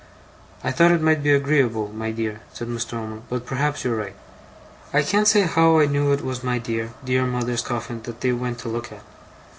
'I thought it might be agreeable, my dear,' said Mr. Omer. 'But perhaps you're right.' I can't say how I knew it was my dear, dear mother's coffin that they went to look at.